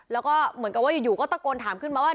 แล้วก็เหมือนกับว่าอยู่ก็ตะโกนถามขึ้นมาว่า